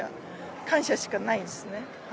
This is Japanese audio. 感謝しかないですね。